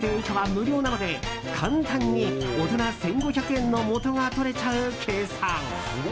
小学生以下は無料なので簡単に大人１５００円の元が取れちゃう計算。